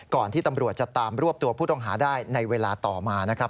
ที่ตำรวจจะตามรวบตัวผู้ต้องหาได้ในเวลาต่อมานะครับ